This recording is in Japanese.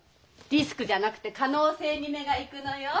リスクじゃなくて可能性に目が行くのよ。